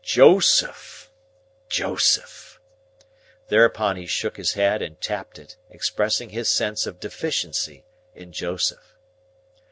"Joseph!! Joseph!!!" Thereupon he shook his head and tapped it, expressing his sense of deficiency in Joseph.